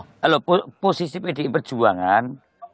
kalau posisi pdi perjuangan